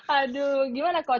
aduh gimana coach